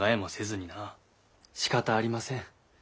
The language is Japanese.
しかたありません。